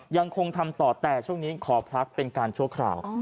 ยังคงทำต่อแต่ช่วงนี้ขอพักเป็นการชั่วคราว